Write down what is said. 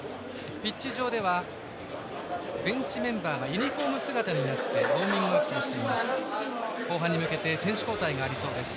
ピッチ上ではベンチメンバーがユニフォーム姿になってウォーミングアップをしています。